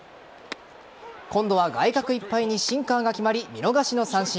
今度は外角いっぱいにシンカーが決まり、見逃しの三振。